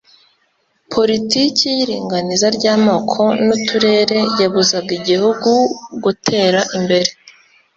poritiki y Iringaniza ry amoko n uturere yabuzaga igihugu gutera imbere